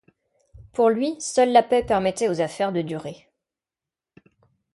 Pour lui, seule la paix permettait aux affaires de durer.